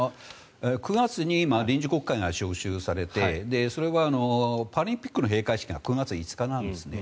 ９月に臨時国会が召集されてそれはパラリンピックの閉会式が９月５日なんですね。